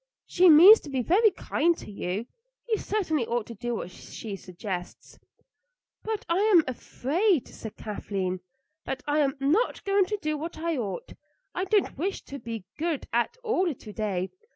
She means to be very kind to you. You certainly ought to do what she suggests." "But I am afraid," said Kathleen, "that I am not going to do what I ought. I don't wish to be good at all to day.